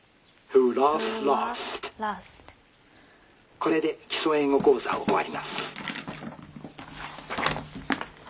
「これで『基礎英語講座』を終わります」。